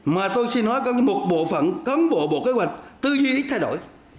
mà tôi xin nói một bộ phận cán bộ bộ kế hoạch tư duy thay đổi